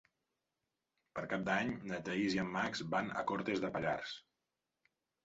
Per Cap d'Any na Thaís i en Max van a Cortes de Pallars.